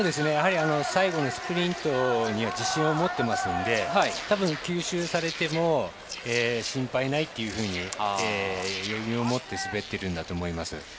最後のスプリントには自信を持っていますので多分吸収されても心配ないというふうに余裕を持って滑っていると思います。